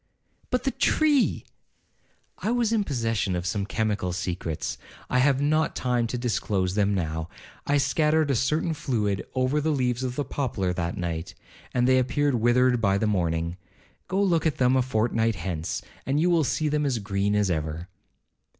'But the tree—' 'I was in possession of some chemical secrets—I have not time to disclose them now—I scattered a certain fluid over the leaves of the poplar that night, and they appeared withered by the morning—go look at them a fortnight hence, and you will see them as green as ever.'